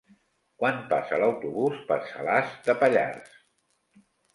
Quan passa l'autobús per Salàs de Pallars?